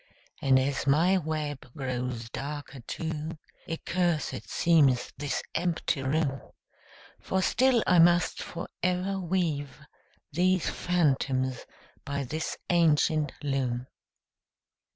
And as my web grows darker too, Accursed seems this empty room; For still I must forever weave These phantoms by this ancient loom.